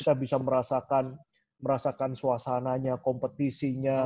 kita bisa merasakan suasananya kompetisinya